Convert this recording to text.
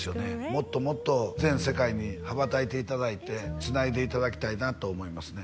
もっともっと全世界に羽ばたいていただいてつないでいただきたいなと思いますね